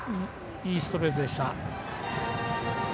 いいストレートでした。